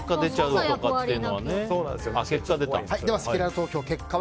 せきらら投票の結果は